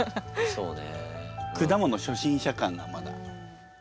そうね。